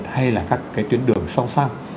hay là các cái tuyến đường sau sau